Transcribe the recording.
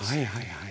はい。